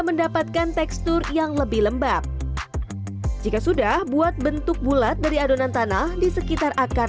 mendapatkan tekstur yang lebih lembab jika sudah buat bentuk bulat dari adonan tanah di sekitar akar